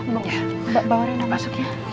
mbak bawa rina masuk ya